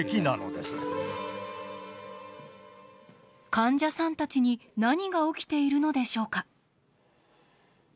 患者さんたちに何が起きているのでしょうか？